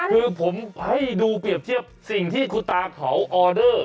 คือผมให้ดูเปรียบเทียบสิ่งที่คุณตาเขาออเดอร์